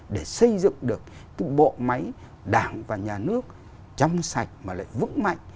để xây dựng được cái bộ máy đảng và nhà nước chăm sạch mà lại vững mạnh